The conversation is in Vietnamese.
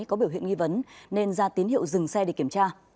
có biểu hiện nghi vấn nên ra tín hiệu dừng xe để kiểm tra